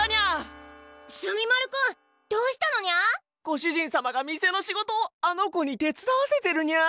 ご主人様が店の仕事をあの子に手伝わせてるニャ！